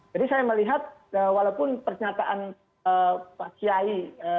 jadi saya melihat walaupun pernyataan pak kiai